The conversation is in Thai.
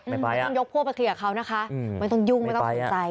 ไม่ต้องยุ่งไม่ต้องฝึกใจ